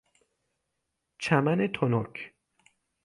چمن تنک